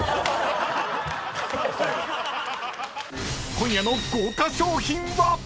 ［今夜の豪華賞品は⁉］